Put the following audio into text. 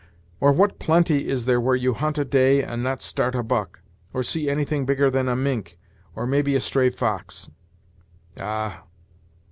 or what plenty is there where you hunt a day, and not start a buck, or see anything bigger than a mink, or maybe a stray fox! Ah!